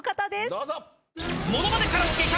どうぞ。